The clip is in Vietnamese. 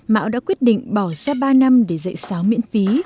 mão đã quyết định bỏ ra ba năm để dạy xáo miễn phí